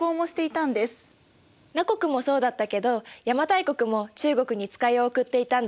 奴国もそうだったけど邪馬台国も中国に使いを送っていたんだ。